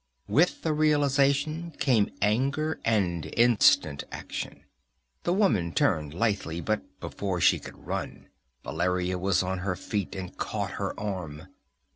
With the realization came anger and instant action. The woman turned lithely, but before she could run Valeria was on her feet and had caught her arm.